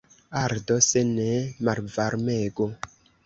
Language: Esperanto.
Ardo, se ne, malvarmego!